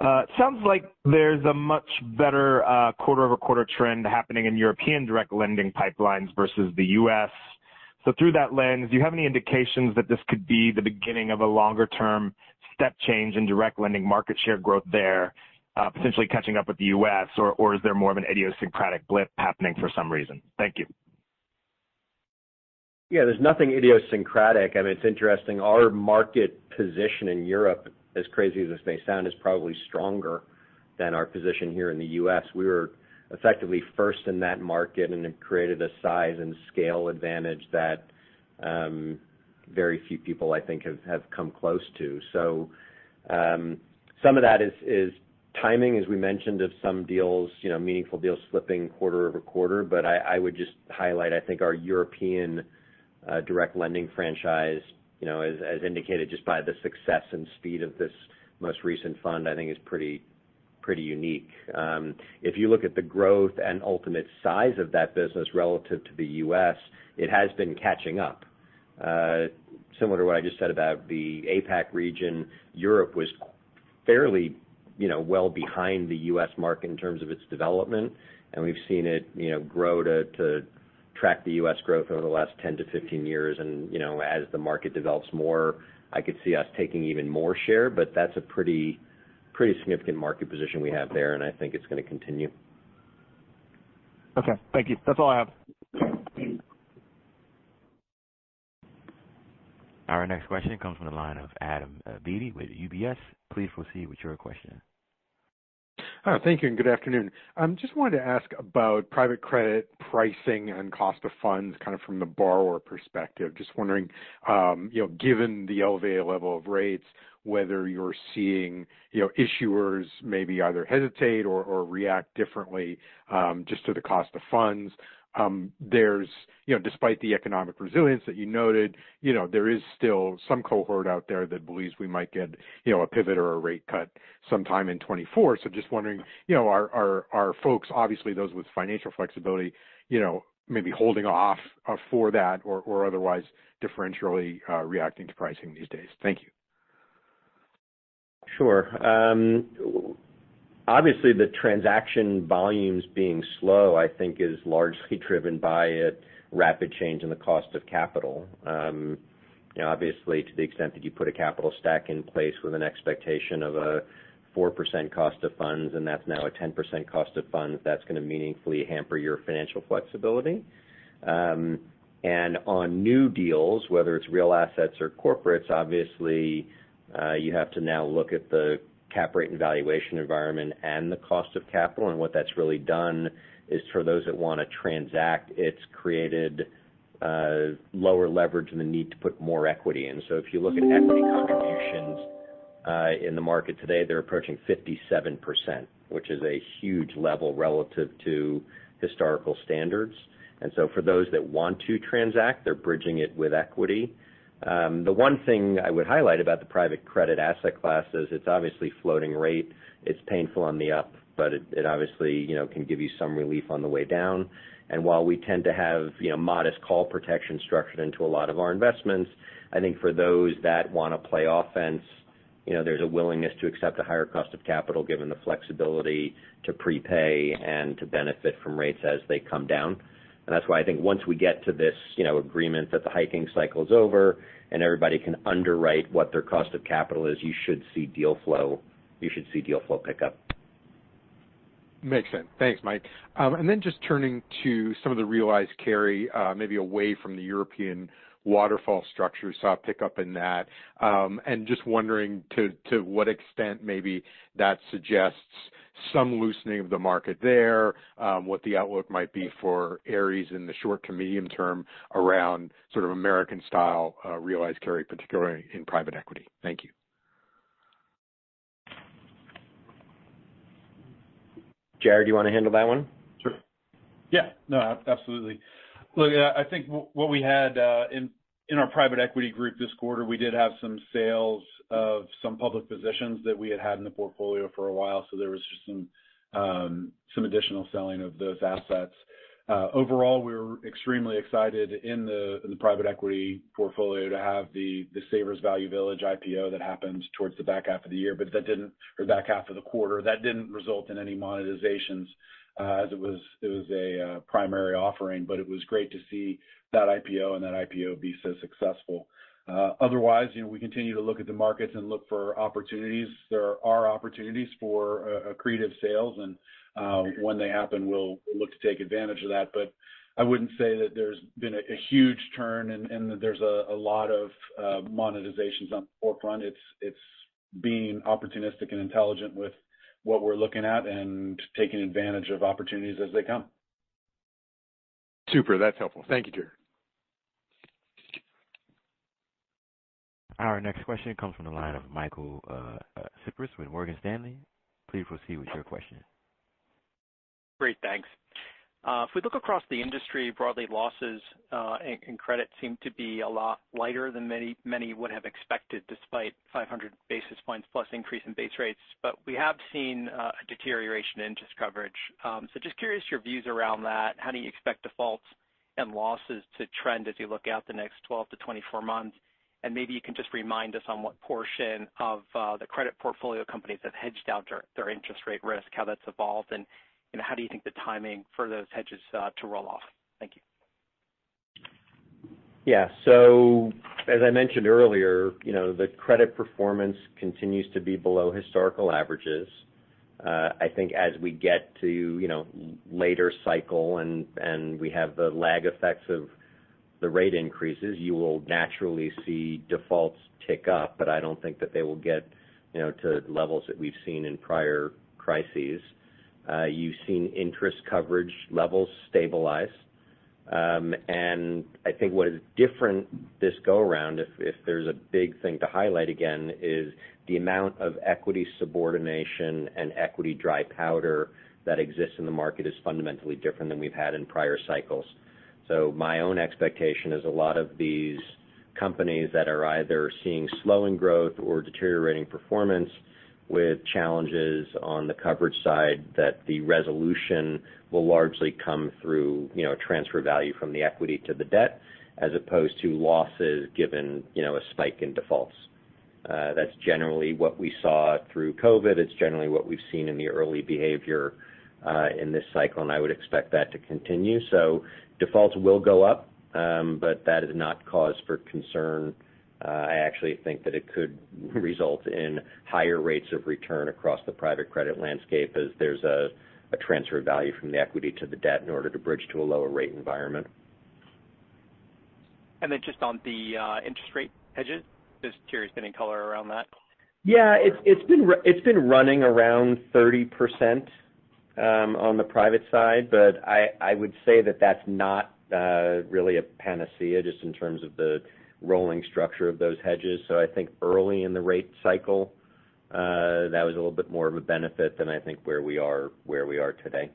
I: It sounds like there's a much better, quarter-over-quarter trend happening in European direct lending pipelines versus the U.S. Through that lens, do you have any indications that this could be the beginning of a longer-term step change in direct lending market share growth there, potentially catching up with the U.S., or is there more of an idiosyncratic blip happening for some reason? Thank you.
C: Yeah, there's nothing idiosyncratic. It's interesting. Our market position in Europe, as crazy as this may sound, is probably stronger than our position here in the U.S. We were effectively first in that market. It created a size and scale advantage that very few people, I think have come close to. So, some of that is timing, as we mentioned, of some deals, you know, meaningful deals slipping quarter-over-quarter but I would just highlight, I think our European direct lending franchise, you know, as indicated just by the success and speed of this most recent fund, I think is pretty, pretty unique. If you look at the growth and ultimate size of that business relative to the U.S., it has been catching up. Similar to what I just said about the APAC region, Europe was fairly, you know, well behind the U.S. market in terms of its development, and we've seen it, you know, grow to track the U.S. growth over the last 10 to 15 years, and, you know, as the market develops more, I could see us taking even more share, but that's a pretty, pretty significant market position we have there, and I think it's going to continue.
I: Okay. Thank you. That's all I have.
A: Our next question comes from the line of Adam Beatty with UBS. Please proceed with your question.
J: Hi, thank you. Good afternoon. I just wanted to ask about private credit pricing and cost of funds, kind of from the borrower perspective. Just wondering, you know, given the elevated level of rates, whether you're seeing, you know, issuers maybe either hesitate or, or react differently, just to the cost of funds. There's, you know, despite the economic resilience that you noted, you know, there is still some cohort out there that believes we might get, you know, a pivot or a rate cut sometime in 2024. Just wondering, you know, are, are, are folks, obviously, those with financial flexibility, you know, maybe holding off for that or, or otherwise differentially reacting to pricing these days? Thank you.
C: Sure. Obviously, the transaction volumes being slow, I think is largely driven by a rapid change in the cost of capital. You know, obviously, to the extent that you put a capital stack in place with an expectation of a 4% cost of funds, and that's now a 10% cost of funds, that's going to meaningfully hamper your financial flexibility and on new deals, whether it's real assets or corporates, obviously, you have to now look at the cap rate and valuation environment and the cost of capital. What that's really done is for those that want to transact, it's created, lower leverage and the need to put more equity in. So, if you look at equity contributions, in the market today, they're approaching 57%, which is a huge level relative to historical standards. So, for those that want to transact, they're bridging it with equity. The one thing I would highlight about the private credit asset class is it's obviously floating rate. It's painful on the up, but it, it obviously, you know, can give you some relief on the way down. While we tend to have, you know, modest call protection structured into a lot of our investments, I think for those that want to play offense, you know, there's a willingness to accept a higher cost of capital, given the flexibility to prepay and to benefit from rates as they come down. That's why I think once we get to this, you know, agreement that the hiking cycle is over and everybody can underwrite what their cost of capital is, you should see deal flow, you should see deal flow pick up.
J: Makes sense. Thanks, Mike. Then just turning to some of the realized carry, maybe away from the European waterfall structure, saw a pickup in that and just wondering to, to what extent maybe that suggests some loosening of the market there, what the outlook might be for Ares in the short to medium term around sort of American style, realized carry, particularly in private equity. Thank you.
C: Jarrod, do you want to handle that one?
D: Sure. Yeah, no, absolutely. Look, I think what, what we had in our private equity group this quarter, we did have some sales of some public positions that we had had in the portfolio for a while, so there was just some additional selling of those assets. Overall, we're extremely excited in the private equity portfolio to have the Savers Value Village IPO that happened towards the back half of the year, or back half of the quarter. That didn't result in any monetization, as it was, it was a primary offering, but it was great to see that IPO and that IPO be so successful. Otherwise, you know, we continue to look at the markets and look for opportunities. There are opportunities for accretive sales, and when they happen, we'll look to take advantage of that. I wouldn't say that there's been a huge turn and that there's a lot of monetizatio on the forefront. It's being opportunistic and intelligent with what we're looking at and taking advantage of opportunities as they come.
J: Super, that's helpful. Thank you, Jarrod.
A: Our next question comes from the line of Michael Cyprys with Morgan Stanley. Please proceed with your question.
K: Great, thanks. If we look across the industry, broadly, losses, and credit seem to be a lot lighter than many, many would have expected, despite 500 basis points plus increase in base rates, but we have seen a deterioration in interest coverage. So just curious your views around that. How do you expect defaults and losses to trend as you look out the next 12-24 months? Maybe you can just remind us on what portion of the credit portfolio companies have hedged out their interest rate risk, how that's evolved, and how do you think the timing for those hedges to roll off? Thank you.
C: Yeah, so, as I mentioned earlier, you know, the credit performance continues to be below historical averages. I think as we get to, you know, later cycle and we have the lag effects of the rate increases, you will naturally see defaults tick up, but I don't think that they will get, you know, to levels that we've seen in prior crises. You've seen interest coverage levels stabilize and I think what is different this go around, if there's a big thing to highlight again, is the amount of equity subordination and equity dry powder that exists in the market is fundamentally different than we've had in prior cycles. My own expectation is a lot of these companies that are either seeing slowing growth or deteriorating performance with challenges on the coverage side, that the resolution will largely come through, you know, transfer value from the equity to the debt, as opposed to losses, given, you know, a spike in defaults. That's generally what we saw through COVID. It's generally what we've seen in the early behavior in this cycle, and I would expect that to continue. So, defaults will go up, but that is not cause for concern. I actually think that it could result in higher rates of return across the private credit landscape, as there's a, a transfer of value from the equity to the debt in order to bridge to a lower rate environment.
K: Just on the interest rate hedges, just curious, any color around that?
C: Yeah, it's, it's been it's been running around 30%, on the private side, but I, I would say that that's not, really a panacea, just in terms of the rolling structure of those hedges. I think early in the rate cycle, that was a little bit more of a benefit than I think where we are, where we are today.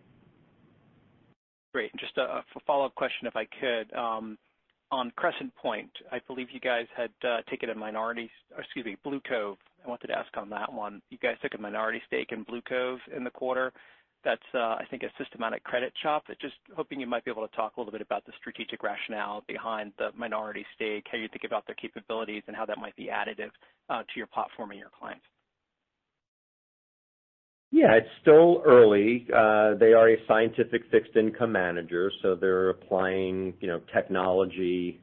K: Great. Just a, a follow-up question, if I could. On Crescent Point, I believe you guys had taken a minority, excuse me, BlueCove. I wanted to ask on that one. You guys took a minority stake in BlueCove in the quarter. That's, I think, a systematic credit shop. Just hoping you might be able to talk a little bit about the strategic rationale behind the minority stake, how you think about their capabilities, and how that might be additive, to your platform and your clients.
C: Yeah, it's still early. They are a scientific fixed income manager, so they're applying, you know, technology,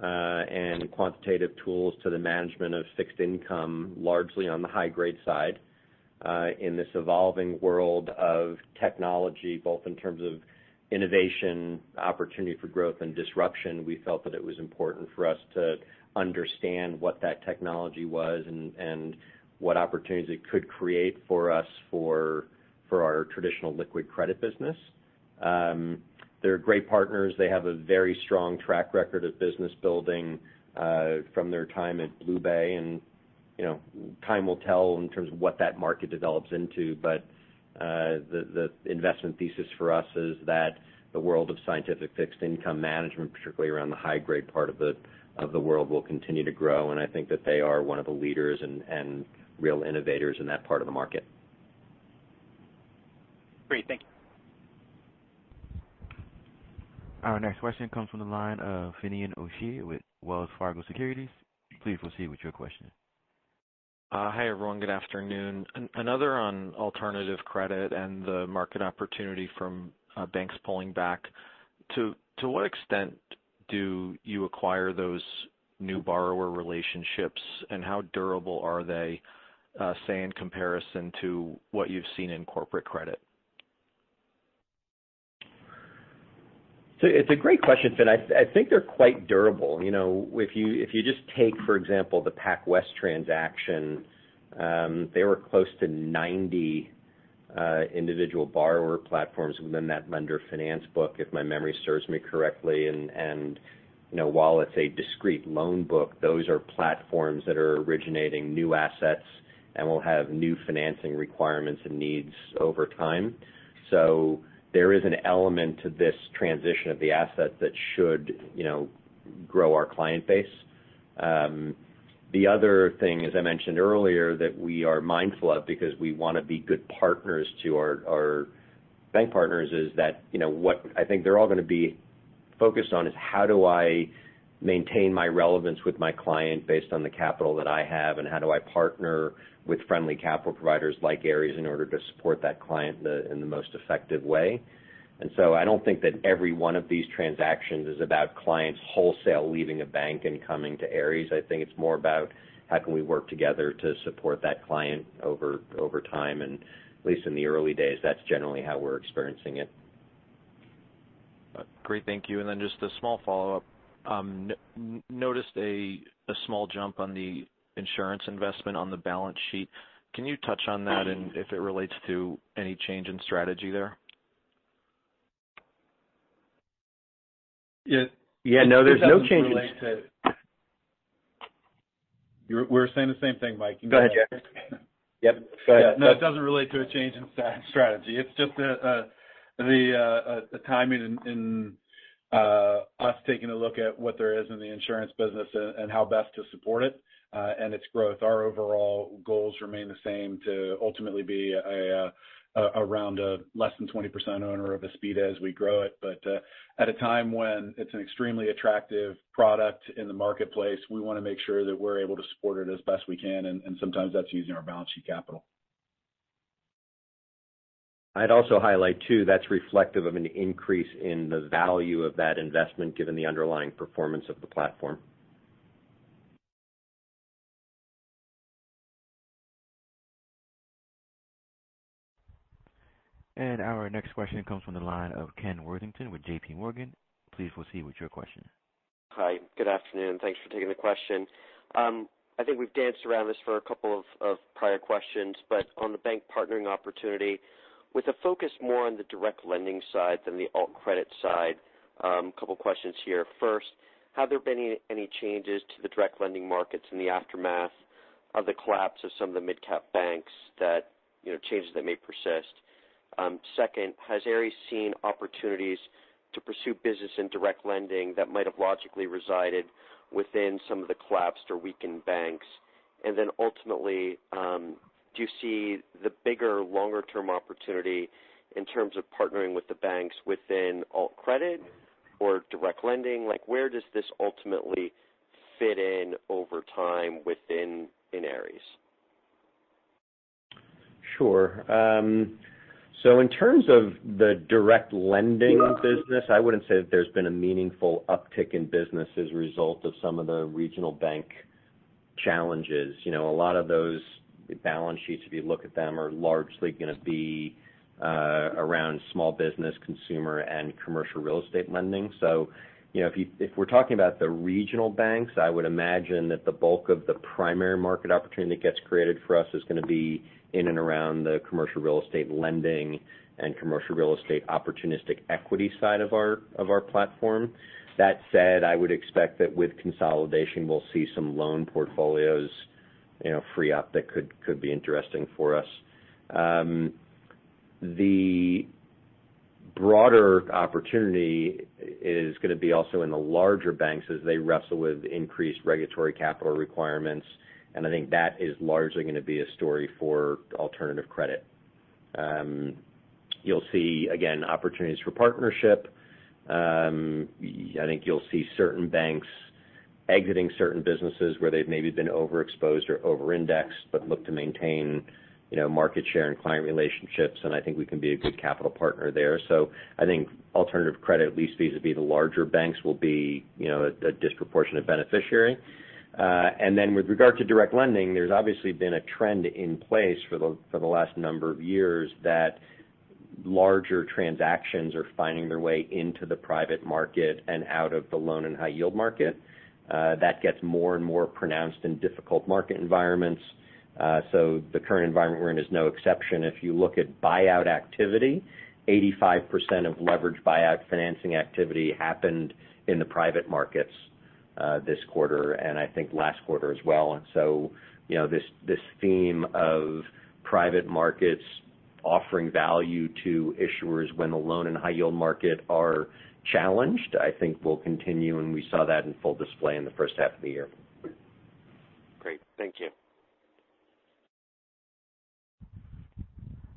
C: and quantitative tools to the management of fixed income, largely on the high-grade side. In this evolving world of technology, both in terms of innovation, opportunity for growth, and disruption, we felt that it was important for us to understand what that technology was and, and what opportunities it could create for us for, for our traditional liquid credit business. They're great partners. They have a very strong track record of business building, from their time at BlueBay. You know, time will tell in terms of what that market develops into. The investment thesis for us is that the world of scientific fixed income management, particularly around the high-grade part of the world, will continue to grow, and I think that they are one of the leaders and real innovators in that part of the market.
K: Great. Thank you.
A: Our next question comes from the line of Finian O'Shea with Wells Fargo Securities. Please proceed with your question.
L: Hi, everyone. Good afternoon. Another on alternative credit and the market opportunity from banks pulling back. To, to what extent do you acquire those new borrower relationships, and how durable are they, say, in comparison to what you've seen in corporate credit?
C: It's a great question, Finian. I, I think they're quite durable. You know, if you, if you just take, for example, the PacWest transaction, they were close to 90 individual borrower platforms within that lender finance book, if my memory serves me correctly and, you know, while it's a discrete loan book, those are platforms that are originating new assets and will have new financing requirements and needs over time. So, there is an element to this transition of the asset that should, you know, grow our client base. The other thing, as I mentioned earlier, that we are mindful of, because we want to be good partners to our, our bank partners, is that, you know, what I think they're all going to be focused on, is how do I maintain my relevance with my client based on the capital that I have, and how do I partner with friendly capital providers like Ares in order to support that client in the, in the most effective way? I don't think that every one of these transactions is about clients wholesale leaving a bank and coming to Ares. I think it's more about how can we work together to support that client over, over time, and at least in the early days, that's generally how we're experiencing it.
L: Great. Thank you. Just a small follow-up. noticed a, a small jump on the insurance investment on the balance sheet. Can you touch on that and if it relates to any change in strategy there?
C: Yeah. Yeah, no, there's no changes to lifestyle
D: We're, we're saying the same thing, Mike.
C: Go ahead, Jarrod. Yep, go ahead.
D: No, it doesn't relate to a change in strategy. It's just the timing and us taking a look at what there is in the insurance business and how best to support it and its growth. Our overall goals remain the same to ultimately be around a less than 20% owner of Aspida as we grow it. At a time when it's an extremely attractive product in the marketplace, we want to make sure that we're able to support it as best we can, and sometimes that's using our balance sheet capital.
C: I'd also highlight, too, that's reflective of an increase in the value of that investment, given the underlying performance of the platform.
A: Our next question comes from the line of Kenneth Worthington with JP Morgan. Please proceed with your question.
M: Hi. Good afternoon. Thanks for taking the question. I think we've danced around this for a couple of prior questions, but on the bank partnering opportunity, with a focus more on the direct lending side than the Alt Credit side, a couple questions here. First, have there been any changes to the direct lending markets in the aftermath of the collapse of some of the midcap banks that, you know, changes that may persist? Second, has Ares seen opportunities to pursue business in direct lending that might have logically resided within some of the collapsed or weakened banks? Then ultimately, do you see the bigger, longer-term opportunity in terms of partnering with the banks within Alt Credit, or direct lending? Like, where does this ultimately fit in over time within Ares?
C: Sure. So in terms of the direct lending business, I wouldn't say that there's been a meaningful uptick in business as a result of some of the regional bank challenges. You know, a lot of those balance sheets, if you look at them, are largely gonna be around small business, consumer, and commercial real estate lending. You know, if we're talking about the regional banks, I would imagine that the bulk of the primary market opportunity that gets created for us is gonna be in and around the commercial real estate lending and commercial real estate opportunistic equity side of our, of our platform. That said, I would expect that with consolidation, we'll see some loan portfolios, you know, free up that could, could be interesting for us. The broader opportunity is gonna be also in the larger banks as they wrestle with increased regulatory capital requirements, and I think that is largely gonna be a story for alternative credit. You'll see, again, opportunities for partnership. I think you'll see certain banks exiting certain businesses where they've maybe been overexposed or over-indexed, but look to maintain, you know, market share and client relationships, and I think we can be a good capital partner there. I think alternative credit, at least vis-a-vis the larger banks, will be, you know, a, a disproportionate beneficiary. With regard to direct lending, there's obviously been a trend in place for the, for the last number of years that larger transactions are finding their way into the private market and out of the loan and high yield market. That gets more and more pronounced in difficult market environments. The current environment we're in is no exception. If you look at buyout activity, 85% of leveraged buyout financing activity happened in the private markets this quarter, and I think last quarter as well. You know, this, this theme of private markets offering value to issuers when the loan and high yield market are challenged, I think will continue, and we saw that in full display in the first half of the year.
M: Great. Thank you.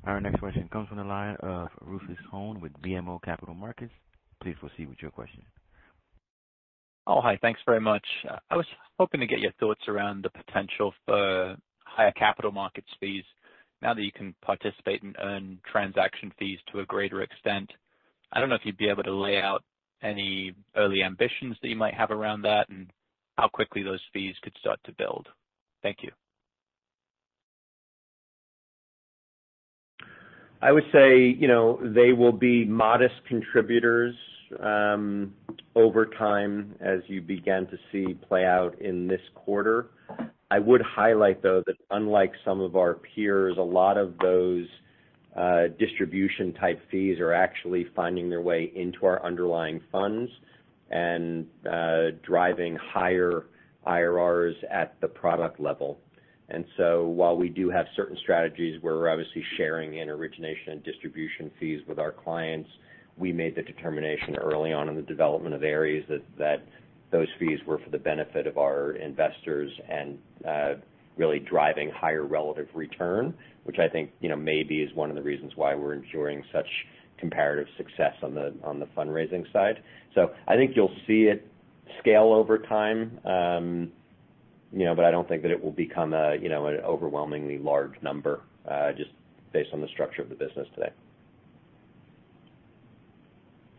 A: Our next question comes from the line of Rufus Hone with BMO Capital Markets. Please proceed with your question.
N: Oh, hi. Thanks very much. I was hoping to get your thoughts around the potential for higher capital markets fees now that you can participate and earn transaction fees to a greater extent. I don't know if you'd be able to lay out any early ambitions that you might have around that and how quickly those fees could start to build? Thank you.
C: I would say, you know, they will be modest contributors, over time, as you began to see play out in this quarter. I would highlight, though, that unlike some of our peers, a lot of those distribution type fees are actually finding their way into our underlying funds and driving higher IRRs at the product level. So while we do have certain strategies where we're obviously sharing in origination and distribution fees with our clients, we made the determination early on in the development of Ares that, that those fees were for the benefit of our investors and really driving higher relative return, which I think, you know, maybe is one of the reasons why we're enjoying such comparative success on the, on the fundraising side. So, I think you'll see it scale over time, you know, but I don't think that it will become a, you know, an overwhelmingly large number, just based on the structure of the business today.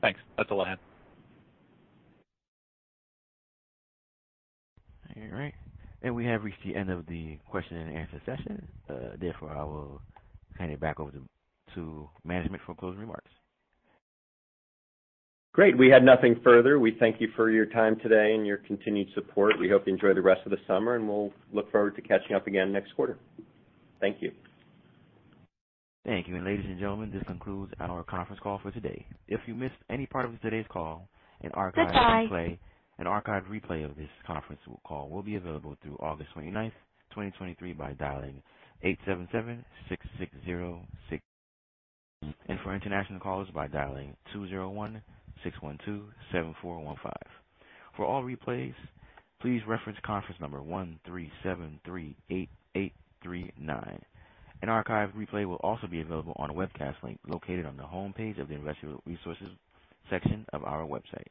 N: Thanks. That's all I had.
A: All right. We have reached the end of the question and answer session. Therefore, I will hand it back over to management for closing remarks.
C: Great. We have nothing further. We thank you for your time today and your continued support. We hope you enjoy the rest of the summer, and we'll look forward to catching up again next quarter. Thank you.
A: Thank you. Ladies and gentlemen, this concludes our conference call for today. If you missed any part of today's call, an archive replay of this conference call will be available through August 29, 2023, by dialing 877-660-6606. For international calls, by dialing 201-612-7415. For all replays, please reference conference number 13738839. An archive replay will also be available on a webcast link located on the homepage of the Investor Resources section of our website.